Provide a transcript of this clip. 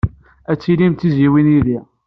Ad tilim d tizzyiwin yid-i.